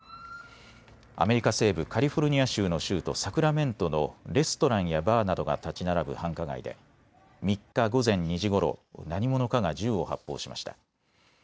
アメリカ西部、カリフォルニア州の州都、サクラメントのレストランやバーなどが建ち並ぶ繁華街で３日午前２時ごろ、何者かが銃を発砲しました。